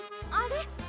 あれ？